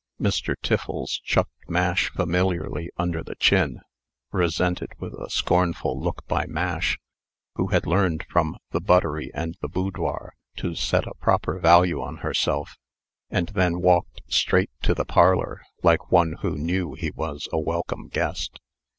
Mr. Tiffles chucked Mash familiarly under the chin (resented with a scornful look by Mash, who had learned from "The Buttery and the Boudoir" to set a proper value on herself), and then walked straight to the parlor, like one who knew he was a welcome guest.